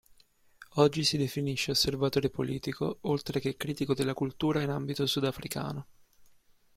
Oggi si definisce "osservatore politico", oltre che critico della cultura, in ambito sudafricano.